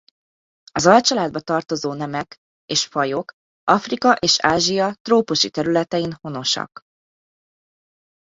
Az alcsaládba tartozó nemek és fajok Afrika és Ázsia trópusi területein honosak.